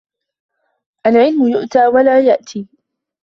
العلم يُؤْتَى ولا يَأْتِي